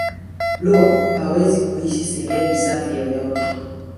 blob hawezi kuishi sehemu safi yoyote